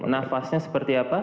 nafasnya seperti apa